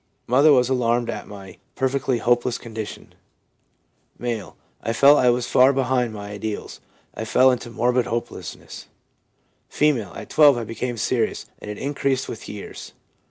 Mother was alarmed at my perfectly hopeless condition/ M. ' I felt I was far behind my ideals. I fell into morbid hopelessness/ F. 'At 12 I became serious, and it increased with years.